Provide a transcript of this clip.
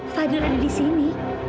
fadil ada di sini